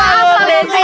mak mak mak